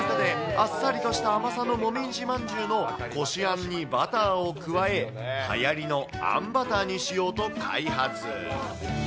口どけ滑らかであっさりとした甘さのもみじ饅頭のこしあんのバターを加え、はやりのあんバターにしようと開発。